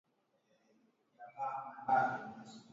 Loweka maharage yote kwemye maji masafi